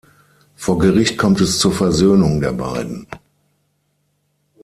Vor Gericht kommt es zur Versöhnung der beiden.